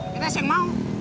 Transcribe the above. kita seng mau